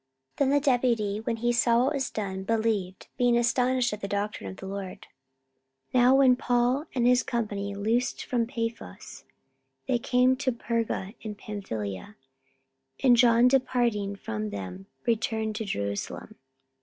44:013:012 Then the deputy, when he saw what was done, believed, being astonished at the doctrine of the Lord. 44:013:013 Now when Paul and his company loosed from Paphos, they came to Perga in Pamphylia: and John departing from them returned to Jerusalem.